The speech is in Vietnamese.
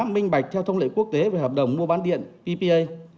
minh bạch theo thông lệ quốc tế về hợp đồng mua bán điện ppa